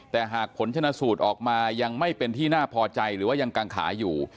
แต่หากผลชนะสูตรออกมายังไม่เป็นที่น่าพอใจหรือว่ายังกังขาอยู่